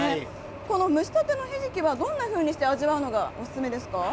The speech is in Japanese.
この蒸したてのひじきはどんなふうにして味わうのがお勧めですか。